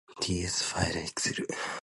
tsv ファイルエクセル